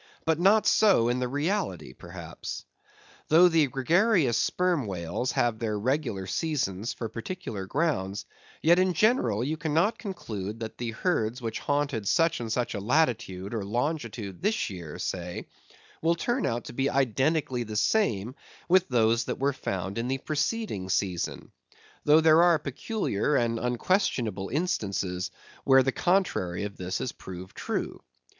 But not so in the reality, perhaps. Though the gregarious sperm whales have their regular seasons for particular grounds, yet in general you cannot conclude that the herds which haunted such and such a latitude or longitude this year, say, will turn out to be identically the same with those that were found there the preceding season; though there are peculiar and unquestionable instances where the contrary of this has proved true.